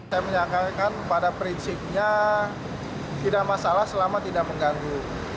saya menyangkakan pada prinsipnya tidak masalah selama tidak mengganggu